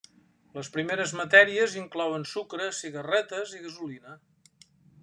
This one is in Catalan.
Les primeres matèries inclouen sucre, cigarretes i gasolina.